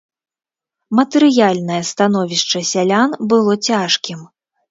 Матэрыяльнае становішча сялян было цяжкім.